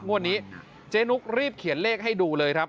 วันนี้เจ๊นุ๊กรีบเขียนเลขให้ดูเลยครับ